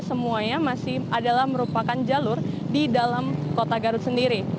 semuanya masih adalah merupakan jalur di dalam kota garut sendiri